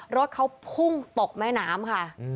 รถเขาพุ่งตกแม่น้ำค่ะ